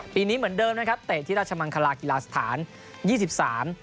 ปีนี้เหมือนเดิมนะครับเตะที่ราชมังคลาศิลป์ธรรมศาล